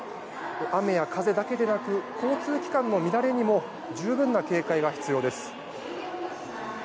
雨や風だけでなく交通機関の乱れにも十分な警戒が必要です。